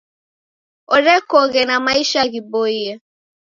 Orekoghe na maisha ghiboie.